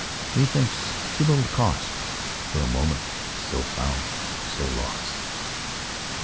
_20 5. ......... Methinks too little cost For a moment so found, so lost!